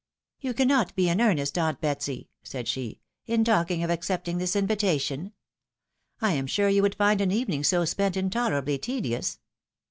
" You cannot be in earnest, aunt Betsy," said she, " in talking of accepting this invitation. I am sure you would find an evening so spent intolerably tedious."